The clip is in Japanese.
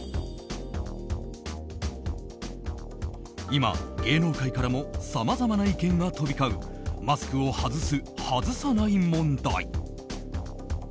今、芸能界からもさまざまな意見が飛び交うマスクを外す外さない問題。